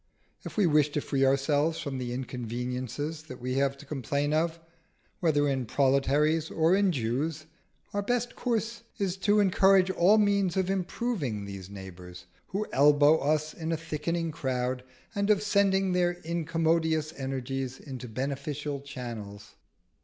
If we wish to free ourselves from the inconveniences that we have to complain of, whether in proletaries or in Jews, our best course is to encourage all means of improving these neighbours who elbow us in a thickening crowd, and of sending their incommodious energies into beneficent channels.